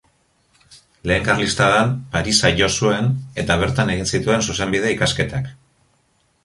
Lehen karlistadan Parisa jo zuen eta bertan egin zituen zuzenbide-ikasketak.